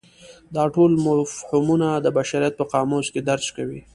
دا ټول مفهومونه د بشریت په قاموس کې درج کوي.